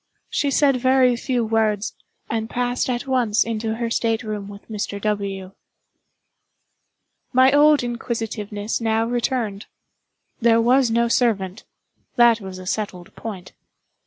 She said very few words, and passed at once into her state room with Mr. W. My old inquisitiveness now returned. There was no servant—that was a settled point.